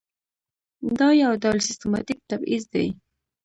دا یو ډول سیستماتیک تبعیض دی.